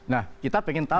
nah kita pengen tahu